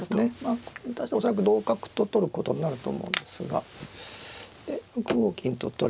これに対して恐らく同角と取ることになると思うんですがで６五金と取れ。